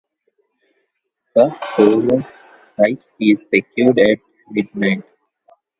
The soul of the rice is secured at midnight.